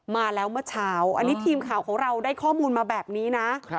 มาแล้วเมื่อเช้าอันนี้ทีมข่าวของเราได้ข้อมูลมาแบบนี้นะ